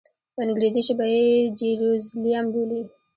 په انګریزي ژبه یې جیروزلېم بولي.